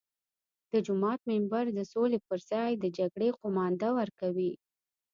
د جومات منبر د سولې پر ځای د جګړې قومانده ورکوي.